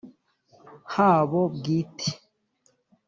habo bwite